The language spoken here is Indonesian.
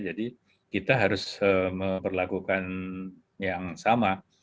jadi kita harus memperlakukan yang sama